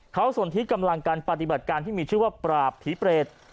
เขาส่วนที่กำลังการปฏิบัติการที่มีชื่อว่าปราบผีเปรต